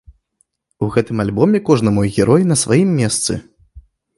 У гэтым альбоме кожны мой герой на сваім месцы.